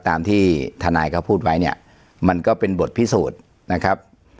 ตามที่ทนายเขาพูดไว้เนี่ยมันก็เป็นบทพิสูจน์นะครับ